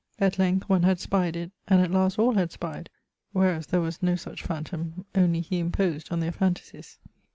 At length one had spyed it, and at last all had spied. Wheras there was no such phantôme; only he imposed on their phantasies.